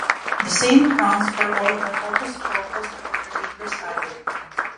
The same counts for all the hocus pocus that the creators added.